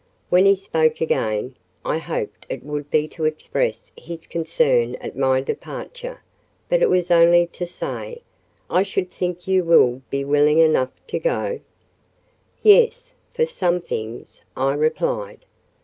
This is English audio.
When he spoke again, I hoped it would be to express his concern at my departure; but it was only to say,—"I should think you will be willing enough to go?" "Yes—for some things," I replied.